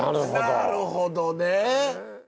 なるほどね！